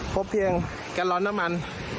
พบเพียงแกลลอนน้ำมัน